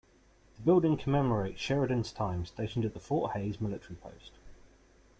The building commemorates Sheridan's time stationed at the Fort Hays military post.